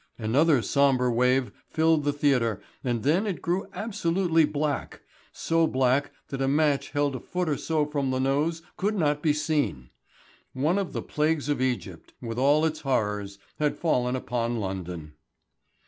Another sombre wave filled the theatre and then it grew absolutely black, so black that a match held a foot or so from the nose could not be seen. One of the plagues of Egypt with all its horrors had fallen upon London.